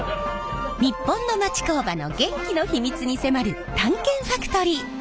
日本の町工場の元気の秘密に迫る「探検ファクトリー」。